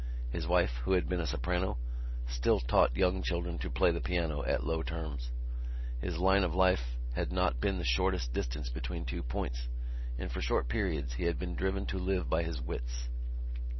His wife, who had been a soprano, still taught young children to play the piano at low terms. His line of life had not been the shortest distance between two points and for short periods he had been driven to live by his wits.